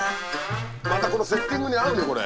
またこのセッティングに合うねこれ。